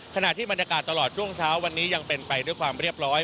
ขณะที่บรรยากาศตลอดช่วงเช้าวันนี้ยังเป็นไปด้วยความเรียบร้อย